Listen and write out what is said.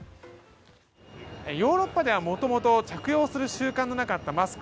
ヨーロッパでは元々着用する習慣のなかったマスク。